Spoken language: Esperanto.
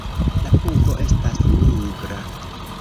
La pugo estas nigra.